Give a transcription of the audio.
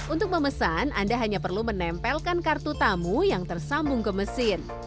untuk memesan anda hanya perlu menempelkan kartu tamu yang tersambung ke mesin